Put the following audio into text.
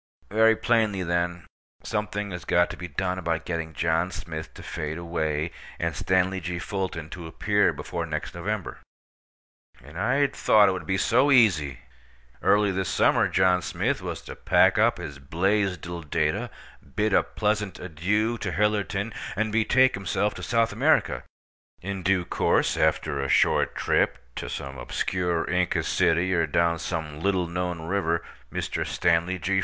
Very plainly, then, something has got to be done about getting John Smith to fade away, and Stanley G. Fulton to appear before next November. And I had thought it would be so easy! Early this summer John Smith was to pack up his Blaisdell data, bid a pleasant adieu to Hillerton, and betake himself to South America. In due course, after a short trip to some obscure Inca city, or down some little known river, Mr. Stanley G.